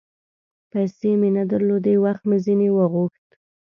پیسې مې نه درلودې ، وخت مې ځیني وغوښت